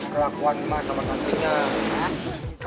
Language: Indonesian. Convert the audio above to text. kelakuan emas sama kak tinggal